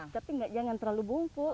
tapi jangan terlalu bungkuk